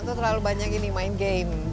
itu terlalu banyak ini main game